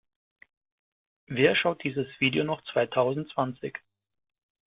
Wer schaut dieses Video noch zweitausendzwanzig?